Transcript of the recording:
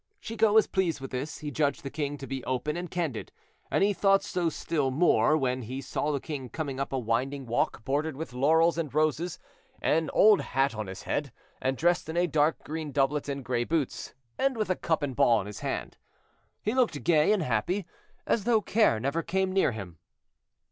Chicot was pleased with this; he judged the king to be open and candid, and he thought so still more when he saw the king coming up a winding walk bordered with laurels and roses, an old hat on his head, and dressed in a dark green doublet and gray boots, and with a cup and ball in his hand. He looked gay and happy, as though care never came near him.